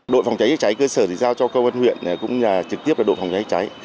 đội phòng cháy chữa cháy cơ sở thì giao cho cơ quan huyện cũng là trực tiếp đội phòng cháy chữa cháy